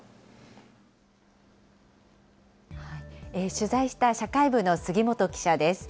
取材した社会部の杉本記者です。